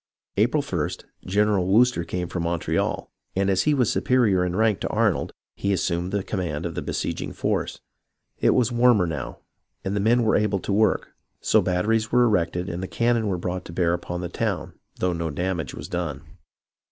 April 1st, General Wooster came from Montreal, and as he was superior in rank to Arnold, he assumed the com mand of the besieging force. It was warmer now, and the men were able to work, so batteries were erected and the cannon were brought to bear upon the town though no dam age was done.